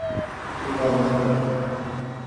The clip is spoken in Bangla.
এ বিষয়ে এখনো গবেষণা চলছে।